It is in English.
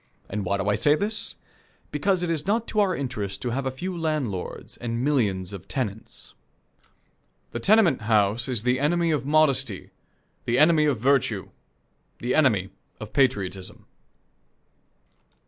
And why do I say this? Because it is not to our interest to have a few landlords and millions of tenants. The tenement house is the enemy of modesty, the enemy of virtue, the enemy of patriotism.